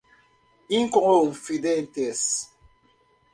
Inconfidentes